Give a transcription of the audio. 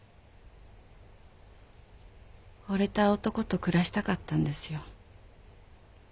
惚れた男と暮らしたかったんですよ。